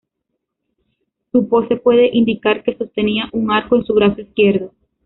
Su pose puede indicar que sostenía un arco en su brazo izquierdo.